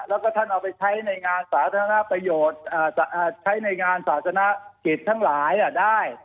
แล้วก็ท่านเอาไปใช้ในงานสาธารณประโยชน์ใช้ในงานศาสนกิจทั้งหลายได้